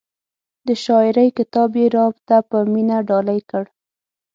د شاعرۍ کتاب یې را ته په مینه ډالۍ کړ.